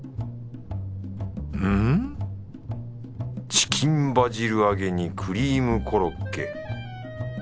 チキンバジル揚げにクリームコロッケ。